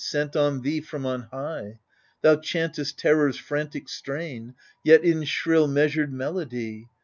Sent on thee from on high ? Thou chantest terror's frantic strain. Yet in shrill measured melody.